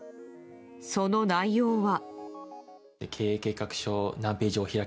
その内容は。